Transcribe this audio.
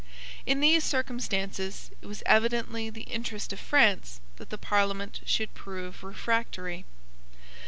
In these circumstances, it was evidently the interest of France that the Parliament should prove refractory.